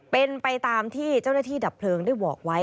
เป็นไปตามที่เจ้าหน้าที่ดับเพลิงได้บอกไว้